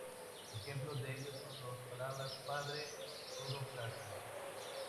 Ejemplos de ello son las palabras "padre, todo, casa".